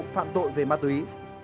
phạm tội về ma túy